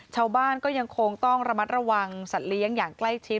ชาวบ้านก็ยังคงต้องระมัดระวังสัตว์เลี้ยงอย่างใกล้ชิด